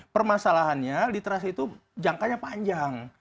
permasalahannya literasi itu jangkanya panjang